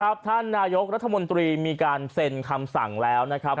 ท่านนายกรัฐมนตรีมีการเซ็นคำสั่งแล้วนะครับ